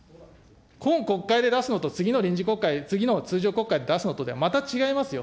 今国会で出すのと、次の臨時国会、次の通常国会で出すのとはまた違いますよ。